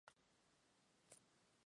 Seductor y carismático.